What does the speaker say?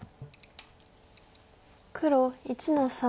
黒１の三。